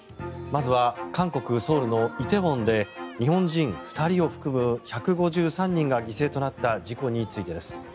まずは韓国ソウルの梨泰院で日本人２人を含む１５３人が犠牲となった事故についてです。